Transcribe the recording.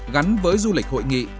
gắn với du lịch hội nghị